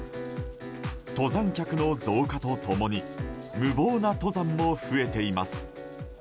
登山客の増加と共に無謀な登山も増えています。